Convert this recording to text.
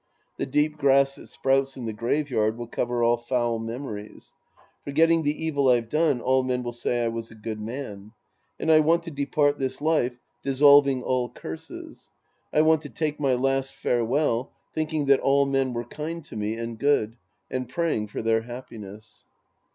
The deep grass that sprouts in the graveyard will cover all foul memories. For getting the evil I've done, all men will say I was a good man. And I want to depart this life dissolving Sc. II The Priest and His Disciples 231 all curses. I want to take my last farewell thinking that all men were kind to me and good, and praying for their happiness.